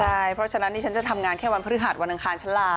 ใช่เพราะฉะนั้นนี่ฉันจะทำงานแค่วันพฤหัสวันอังคารฉันลา